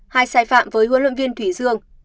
hay sai phạm với huấn luyện viên thủy dương